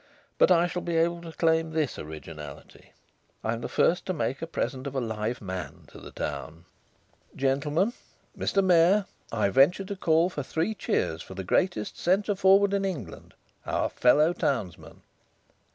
But I shall be able to claim this originality: I'm the first to make a present of a live man to the town. Gentlemen Mr Mayor I venture to call for three cheers for the greatest centre forward in England, our fellow townsman."